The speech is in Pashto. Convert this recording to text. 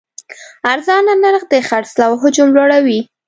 ارزانه نرخ د خرڅلاو حجم لوړوي.